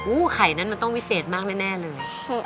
ไข่นั้นมันต้องวิเศษมากแน่เลย